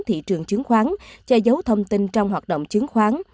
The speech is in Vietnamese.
thị trường chứng khoán cho dấu thông tin trong hoạt động chứng khoán